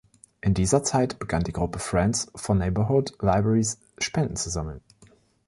In dieser Zeit begann die Gruppe Friends for Neighborhood Libraries, Spenden zu sammeln.